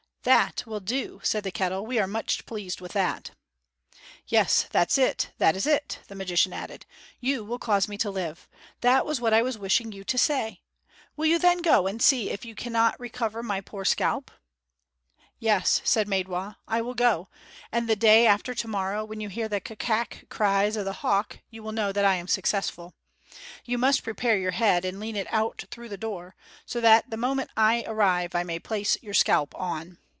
"That will do," said the kettle. "We are much pleased with that." "Yes, that is it that is it!" the magician added. "You will cause me to live. That was what I was wishing you to say. Will you then go and see if you can not recover my poor scalp?" "Yes," said Maidwa, "I will go; and the day after to morrow, when you hear the ka kak cries of the hawk, you will know that I am successful. You must prepare your head, and lean it out through the door, so that the moment I arrive I may place your scalp on."